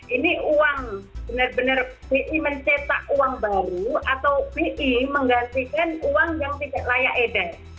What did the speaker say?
ini uang benar benar bi mencetak uang baru atau bi menggantikan uang yang tidak layak edar